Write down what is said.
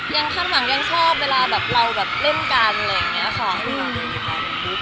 คาดหวังยังชอบเวลาแบบเราแบบเล่นกันอะไรอย่างนี้ค่ะ